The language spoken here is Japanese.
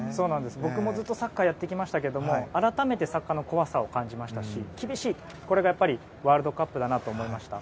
僕もずっとサッカーをやってきましたけど改めてサッカーの怖さを感じましたし、厳しいこれがワールドカップだなと思いました。